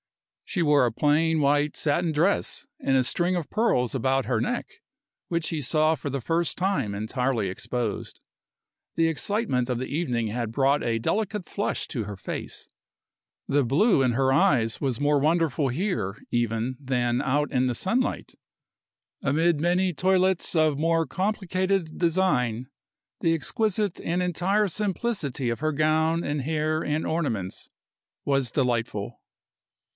She wore a plain white satin dress and a string of pearls about her neck, which he saw for the first time entirely exposed. The excitement of the evening had brought a delicate flush to her face; the blue in her eyes was more wonderful here, even, than out in the sunlight. Amid many toilettes of more complicated design, the exquisite and entire simplicity of her gown and hair and ornaments was delightful.